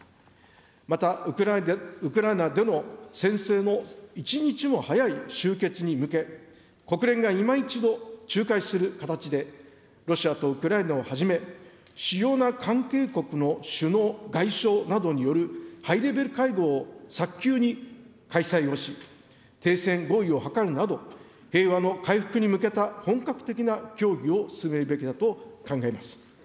また、ウクライナでの戦争の一日も早い終結に向け、国連がいま一度仲介する形で、ロシアとウクライナをはじめ、主要な関係国の首脳、外相などによる、ハイレベル会合を早急に開催をし、停戦合意を図るなど、平和の回復に向けた本格的な協議を進めるべきだと考えます。